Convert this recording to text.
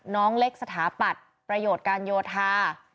น้องเล็กสถาปัตย์ประโยชน์การโยธา